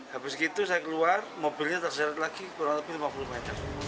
habis gitu saya keluar mobilnya terseret lagi kurang lebih lima puluh meter